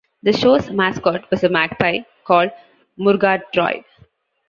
The show's mascot was a magpie called Murgatroyd.